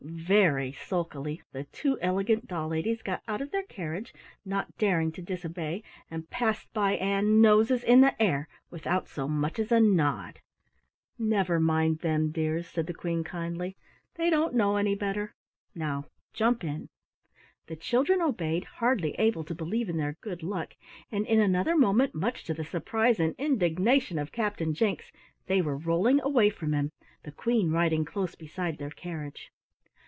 Very sulkily the two elegant doll ladies got out of their carriage, not daring to disobey, and passed by Ann, noses in the air, without so much as a nod. "Never mind them, dears," said the Queen kindly. "They don't know any better. Now jump in!" The children obeyed, hardly able to believe in their good luck, and in another moment, much to the surprise and indignation of Captain Jinks, they were rolling away from him, the Queen riding close beside their carriage.